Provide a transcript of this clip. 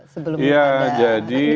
sebelumnya ya jadi